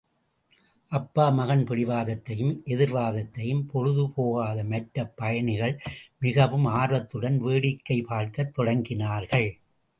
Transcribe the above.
அப்பா மகன் பிடிவாதத்தையும், எதிர்வாதத்தையும் பொழுது போகாத மற்ற பயணிகள், மிகவும் ஆர்வத்துடன் வேடிக்கைப் பார்க்கத் தொடங்கினார்கள்.